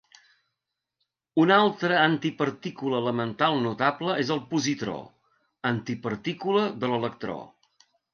Una altra antipartícula elemental notable és el positró, antipartícula de l'electró.